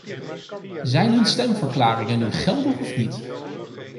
Zijn hun stemverklaringen nu geldig of niet?